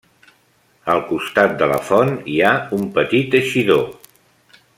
Al costat de la font hi ha un petit eixidor.